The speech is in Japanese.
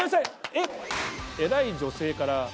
えっ！